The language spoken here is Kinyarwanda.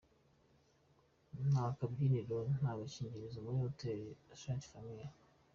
Nta kabyiniro, nta gakingirizo muri Hotel Ste Famille”.